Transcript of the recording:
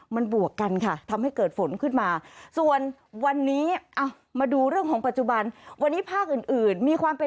มันบวกกันทำให้เกิดฝนขึ้นมา